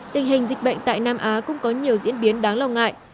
tình hình dịch bệnh tại nam á cũng có nhiều diễn biến đáng lo ngại